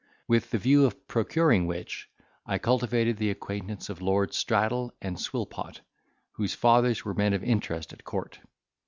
With the view of procuring which, I cultivated the acquaintance of Lords Straddle and Swillpot, whose fathers were men of interest at court.